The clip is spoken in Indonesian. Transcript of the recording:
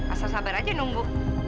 asal sabar aja nunggu